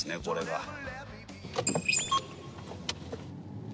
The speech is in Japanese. これが。